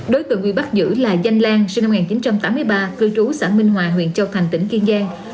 đối tượng bị bắt giữ là danh lan sinh năm một nghìn chín trăm tám mươi ba cư trú xã minh hòa huyện châu thành tỉnh kiên giang